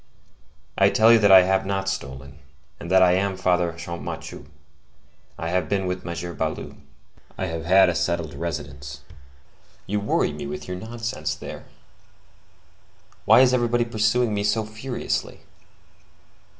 I tell you that I have not stolen, and that I am Father Champmathieu; I have been with M. Baloup; I have had a settled residence. You worry me with your nonsense, there! Why is everybody pursuing me so furiously?"